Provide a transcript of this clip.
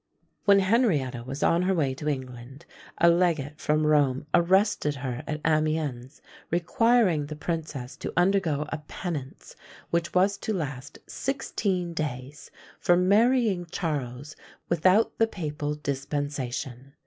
When Henrietta was on her way to England, a legate from Rome arrested her at Amiens, requiring the princess to undergo a penance, which was to last sixteen days, for marrying Charles without the papal dispensation.